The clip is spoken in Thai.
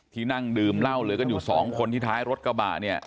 นั่งดื่มเหล้าเหลือกันอยู่สองคนที่ท้ายรถกระบะเนี่ย